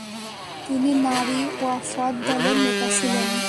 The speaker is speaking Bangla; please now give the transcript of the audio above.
তিনি নারী ওয়াফদ দলের নেতা ছিলেন।